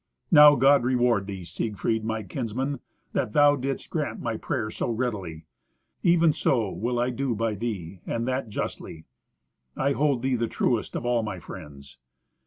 "Now, God reward thee, Siegfried, my kinsman, that thou didst grant my prayer so readily. Even so will I do by thee, and that justly. I hold thee trustiest of all my friends.